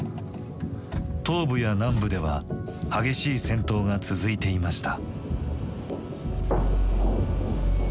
東部や南部では激しい戦闘が続いていました。